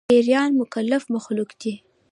پيريان مکلف مخلوق دي